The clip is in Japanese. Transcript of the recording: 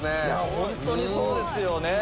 ホントにそうですよね。